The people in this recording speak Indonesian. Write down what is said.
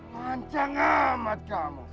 manjang amat kamu